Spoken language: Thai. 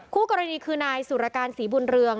คู่กรณีคือนายสุรการศรีบุญเรือง